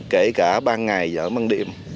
kể cả ban ngày và măng điểm